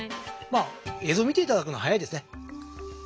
まあ映像見て頂くのが早いですね。